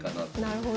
なるほど。